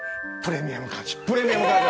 プレミアム感謝。